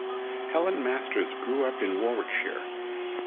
Helen Masters grew up in Warwickshire.